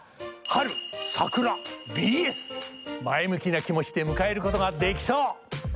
前向きな気持ちで迎えることができそう。